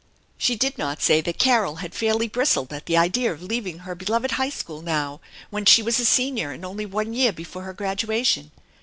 She did not say that Carol had fairly bristled 307 308 THE ENCHANTED BARN at the idea of leaving her beloved high school now when she was a senior and only one year before her graduation.